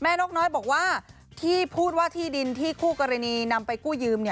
นกน้อยบอกว่าที่พูดว่าที่ดินที่คู่กรณีนำไปกู้ยืม